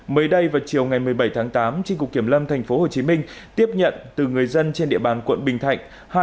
mới đây vào chiều ngày một mươi bảy tháng tám tri cục kiểm lâm tp hcm tiếp nhận từ người dân trên địa bàn quận bình thạnh